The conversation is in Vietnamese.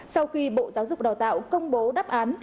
sau khi bộ giáo dục đào tạo công bố đáp án